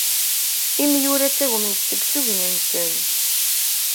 Imyura ttagmen-d seg usugen-nsen.